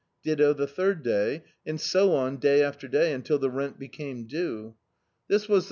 Ditto the third day, and so on day after day, until the rent became due. This was die first D,i.